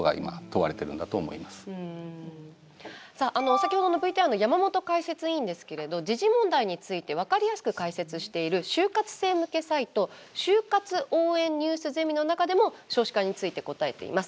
先ほどのＶＴＲの山本解説委員ですけれど時事問題について分かりやすく解説している就活生向けサイト「就活応援ニュースゼミ」の中でも少子化について答えています。